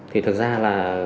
thì thực ra là